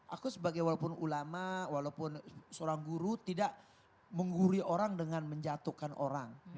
aku sebagai walaupun ulama walaupun seorang guru tidak mengguri orang dengan menjatuhkan orang